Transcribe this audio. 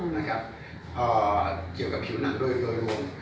นะครับเกี่ยวกับผิวหนักด้วยโรง